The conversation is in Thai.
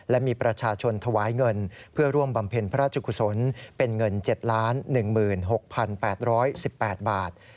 และมีประชาชนถวายเงินเพื่อร่วมบำเพ็ญพระราชกุศลเป็นเงิน๗๑๖๘๑๘บาท